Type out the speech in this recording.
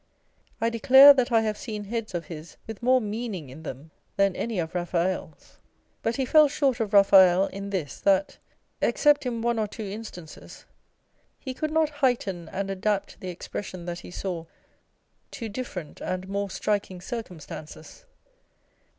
I declare that I have seen heads of his with more meaning in them than any of Raphael's. But he fell short of Eaphael in this, that (except in one or two in stances) he could not heighten and adapt the expression that he saw to different and more striking circumstances.